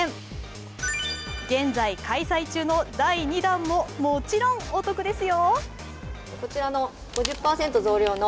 現在開催中の第２弾ももちろんお得ですよ。